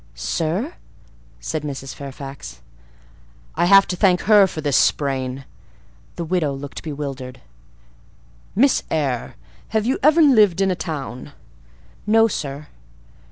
"Sir?" said Mrs. Fairfax. "I have to thank her for this sprain." The widow looked bewildered. "Miss Eyre, have you ever lived in a town?" "No, sir."